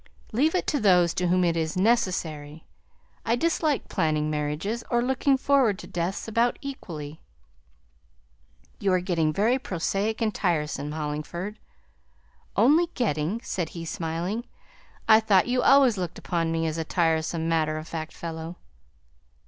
"Leave it to those to whom it is necessary. I dislike planning marriages or looking forward to deaths about equally." "You are getting very prosaic and tiresome, Hollingford!" "Only getting!" said he smiling; "I thought you had always looked upon me as a tiresome matter of fact fellow."